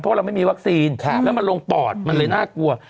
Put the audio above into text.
เพราะเราไม่มีวัคซีนแล้วมันลงปอดมันเลยน่ากลัว